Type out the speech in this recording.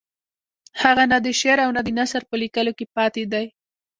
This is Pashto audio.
هغه نه د شعر او نه د نثر په لیکلو کې پاتې دی.